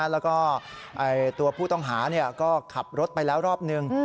แล้วก็ตัวผู้ต้องหาก็ขับรถไปแล้วรอบนึง